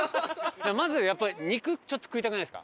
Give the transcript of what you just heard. まずやっぱり肉ちょっと食いたくないですか？